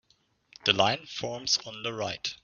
The line forms on the right.